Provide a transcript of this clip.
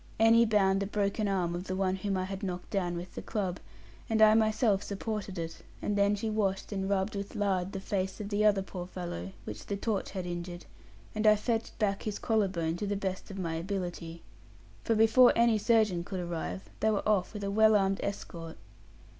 Annie bound the broken arm of the one whom I had knocked down with the club, and I myself supported it; and then she washed and rubbed with lard the face of the other poor fellow, which the torch had injured; and I fetched back his collar bone to the best of my ability. For before any surgeon could arrive, they were off with a well armed escort.